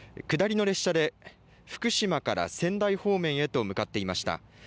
下りの列車で福島から仙台方面へと向かっていました。